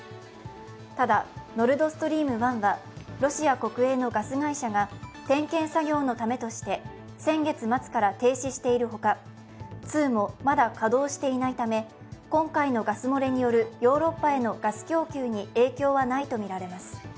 ただ、ノルドストリーム１はロシア国営のガス会社が点検作業のためとして先月末から停止しているほか、「２」もまだ稼働していないため、今回のガス漏れによるヨーロッパへのガス供給に影響はないとみられます。